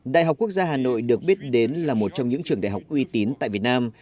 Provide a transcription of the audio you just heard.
đại học quốc gia hà nội được biết đến là một trong những trường đại học uy tín tại việt nam